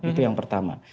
itu yang pertama